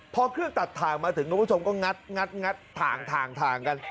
พอเครื่องตัดถ่างมาถึงคุณผู้ชมก็งัดถ่างกัน